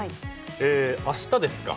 明日ですか？